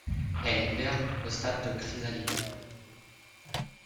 Elle hiverne au stade de chrysalide.